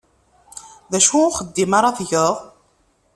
D acu n uxeddim ara tgeḍ?